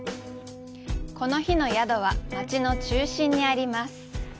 この日の宿は、町の中心にあります。